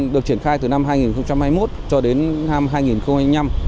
được triển khai từ năm hai nghìn hai mươi một cho đến năm hai nghìn hai mươi năm